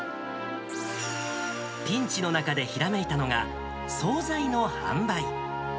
ピンチの中でひらめいたのが、総菜の販売。